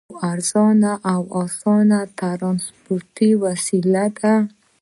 بایسکل یوه ارزانه او اسانه ترانسپورتي وسیله ده.